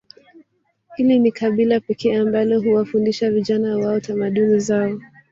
Hili ni kabila pekee ambalo huwafundisha vijana wao tamaduni zao